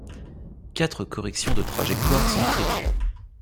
Quatre corrections de trajectoire sont prévues.